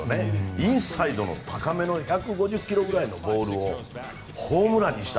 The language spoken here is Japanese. インサイドの高めの１５０キロくらいのボールをホームランにした。